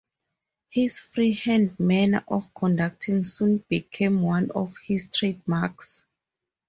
His free-hand manner of conducting soon became one of his trademarks.